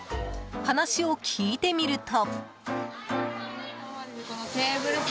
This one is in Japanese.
話を聞いてみると。